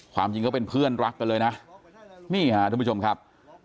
ความจริงก็เป็นเพื่อนรักกันเลยนะนี่ค่ะทุกผู้ชมครับ